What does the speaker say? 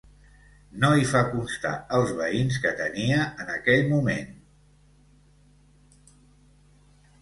No hi fa constar els veïns que tenia en aquell moment.